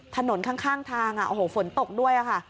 ถนนข้างทางโอ้โหฝนตกด้วยค่ะ